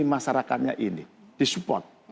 masyarakatnya ini disupport